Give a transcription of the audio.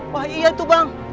wah iya tuh bang